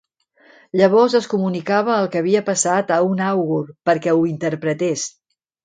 Llavors es comunicava el que havia passat a un àugur perquè ho interpretés.